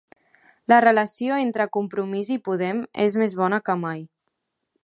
La relació entre Compromís i Podem és més bona que mai